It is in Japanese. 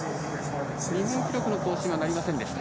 日本記録の更新はなりませんでした。